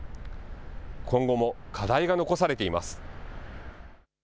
今後も課題が残されています。